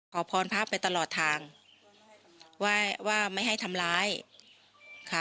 ขอพรพระไปตลอดทางว่าว่าไม่ให้ทำร้ายค่ะ